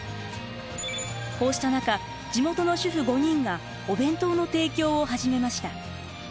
こうした中地元の主婦５人がお弁当の提供を始めました。